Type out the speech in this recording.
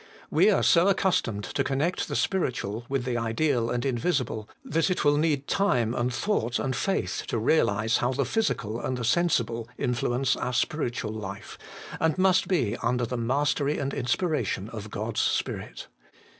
We are so accustomed to connect the spiritual with the ideal and invisible, that it will need time and thought and faith to realize how the physical and the sensible influence our spiritual life, and must be under the mastery and inspiration of God's Spirit.